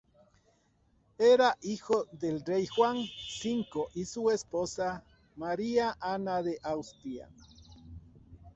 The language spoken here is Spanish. Era hijo del rey Juan V y su esposa, María Ana de Austria.